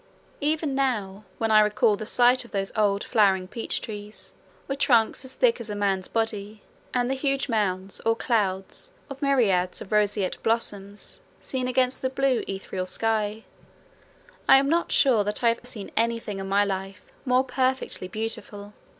Even now when I recall the sight of those old flowering peach trees, with trunks as thick as a man's body, and the huge mounds or clouds of myriads of roseate blossoms seen against the blue ethereal sky, I am not sure that I have seen anything in my life more perfectly beautiful.